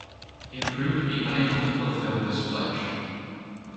It proved to be unable to fulfill this pledge.